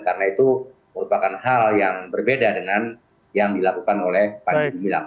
karena itu merupakan hal yang berbeda dengan yang dilakukan oleh panjang pemilang